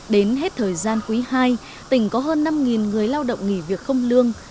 đến hết thời gian quý hai tỉnh có hơn năm người lao động nghỉ việc không lương